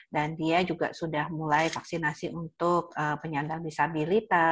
dan dia juga sudah mulai vaksinasi untuk penyandang bisa bilik